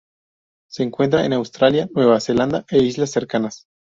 Se encuentra en Australia, Nueva Zelanda e islas cercanas.